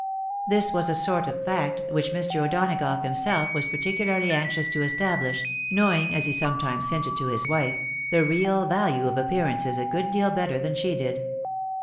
This was a sort of fact, which Mr. O'Donagough himself was par ticulary anxious to establish, knowing, as he sometimes hinted to his wife, the real value of appearances a good deal better than she did.